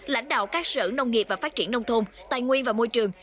lãnh đạo các sở nông nghiệp và phát triển nông thôn tài nguyên và môi trường